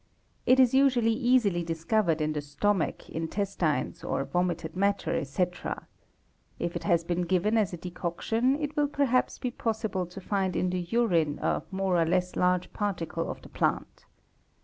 It is usually easil discovered in the stomach, intestines, or vomited matter, etc; if it h CLOTH, WOOLLENS, LINEN, &c. 205 been given as a decoction it will perhaps be possible to find in the urine a more or less large particle of the plant.